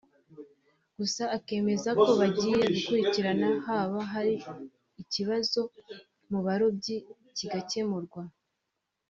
gusa akemeza ko bagiye gukurikirana haba hari ikibazo mu barobyi kigakemurwa